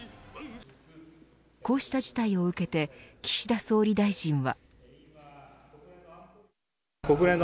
こうした事態を受けて岸田総理大臣は。